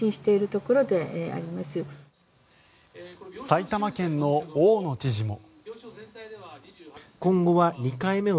埼玉県の大野知事も。